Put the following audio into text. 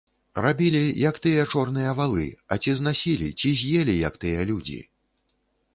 Рабілі, як тыя чорныя валы, а ці знасілі, ці з'елі, як тыя людзі.